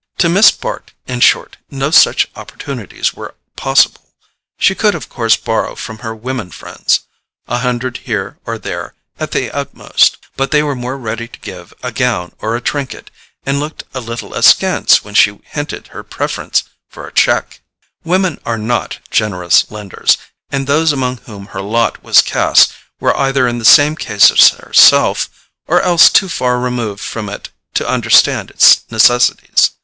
To Miss Bart, in short, no such opportunities were possible. She could of course borrow from her women friends—a hundred here or there, at the utmost—but they were more ready to give a gown or a trinket, and looked a little askance when she hinted her preference for a cheque. Women are not generous lenders, and those among whom her lot was cast were either in the same case as herself, or else too far removed from it to understand its necessities.